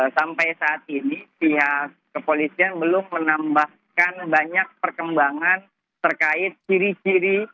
sampai saat ini pihak kepolisian belum menambahkan banyak perkembangan terkait ciri ciri